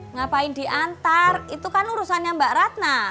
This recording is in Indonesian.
ngapain diantar itu kan urusannya mbak ratna